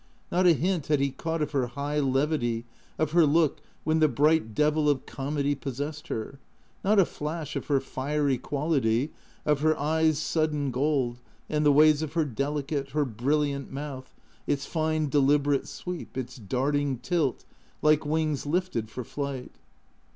ISTot a hint had he caught of her high levity, of her look when the bright devil of comedy possessed her, not a flash of her fiery quality, of her eyes' sudden gold, and the ways of her delicate, her brilliant mouth, its fine, deliberate sweep, its darting tilt, like wings lifted for flight.